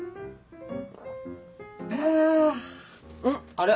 あれ？